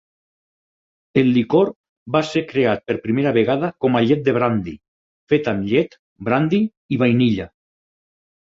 El licor va ser creat per primera vegada com a "llet de brandi", fet amb llet, brandi i vainilla.